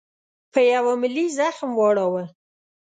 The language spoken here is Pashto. په یوه ملي زخم واړاوه.